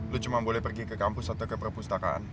lu cuma boleh pergi ke kampus atau ke perpustakaan